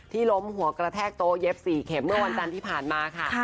ล้มหัวกระแทกโต๊ะเย็บ๔เข็มเมื่อวันจันทร์ที่ผ่านมาค่ะ